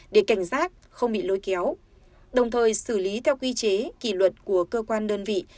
để cảnh giác không bị lôi kéo đồng thời xử lý theo quy chế kỳ luật của cơ quan đơn vị